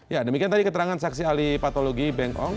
ya demikian tadi keterangan saksi ahli patologi beng ong